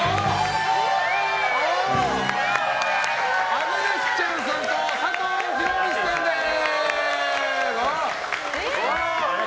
アグネス・チャンさんと佐藤弘道さんです！